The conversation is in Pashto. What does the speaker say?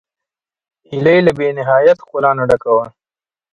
هیلۍ له بېنهایت ښکلا نه ډکه ده